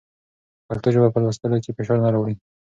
پښتو ژبه په لوستلو کې فشار نه راوړي.